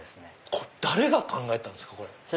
これ誰が考えたんですか？